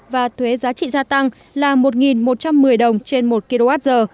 và thuế giá trị gia tăng là một một trăm một mươi đồng trên một kwh